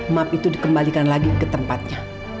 map itu dikembalikan lagi ke tempatnya